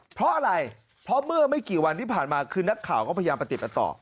เพราะอะไรเพราะเมื่อไม่กี่วันที่ผ่านมาคือนักข่าวก็พยายามประติดประต่อ